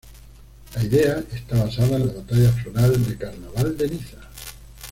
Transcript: La idea está basada en la batalla floral de Carnaval de Niza.